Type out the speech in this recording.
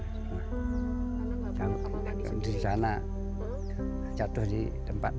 iya board estetik itu dengan pembantu large agar saya bisa makannya sekarang